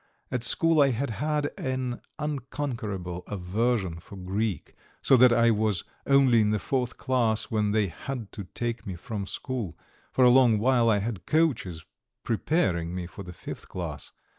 At school I had had an unconquerable aversion for Greek, so that I was only in the fourth class when they had to take me from school. For a long while I had coaches preparing me for the fifth class.